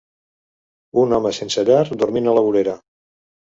Un home sense llar dormint a la vorera.